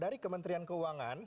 dari kementerian keuangan